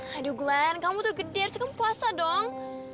aduh glenn kamu tuh gede arsya kamu puasa dong